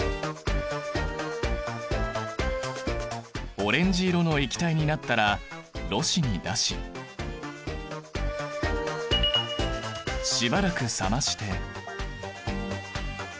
オレンジ色の液体になったらろ紙に出ししばらく冷まして。